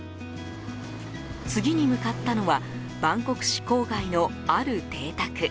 次に向かったのはバンコク市郊外の、ある邸宅。